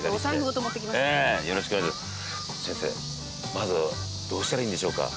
まずどうしたらいいんでしょうか？